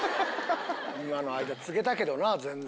今の間つげたけどな全然。